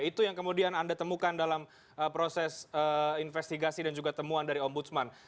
itu yang kemudian anda temukan dalam proses investigasi dan juga temuan dari ombudsman